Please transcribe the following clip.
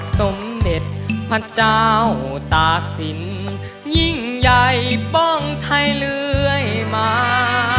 สมเด็จพระเจ้าตากศิลป์ยิ่งใหญ่ป้องไทยเรื่อยมา